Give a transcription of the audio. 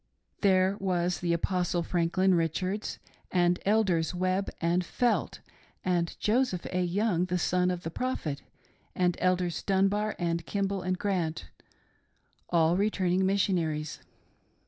There was the Apostle Franklin Richards, and Elders Webb and Felt, and Joseph. A. Young, the son of the Prophet, and Elders Dunbar, and Kimball, and Grant — alii returning Missionaries.